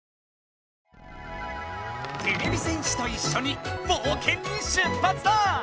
てれび戦士といっしょにぼうけんに出発だ！